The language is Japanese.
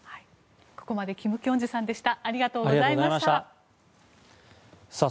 ここまで金慶珠さんでした。